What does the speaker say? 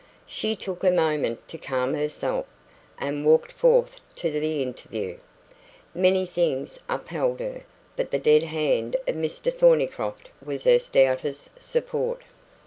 She took a moment to calm herself, and walked forth to the interview. Many things upheld her, but the dead hand of Mr Thornycroft was her stoutest support.